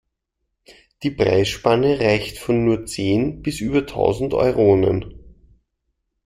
Die Preisspanne reicht von nur zehn bis über tausend Euronen.